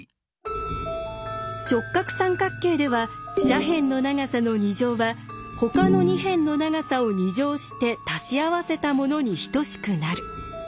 直角三角形では「斜辺の長さの２乗」は「ほかの２辺の長さを２乗して足し合わせたもの」に等しくなる。